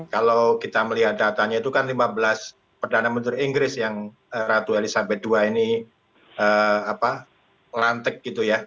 kalau kita melihat datanya itu kan lima belas perdana menteri inggris yang ratu elizabeth ii ini lantik gitu ya